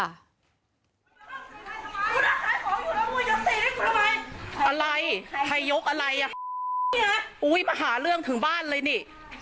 อะไรใครยกอะไรอ่ะอุ้ยมาหาเรื่องถึงบ้านเลยนี่